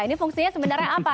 ini fungsinya sebenarnya apa